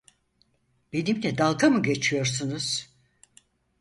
Benimle dalga mı geçiyorsunuz?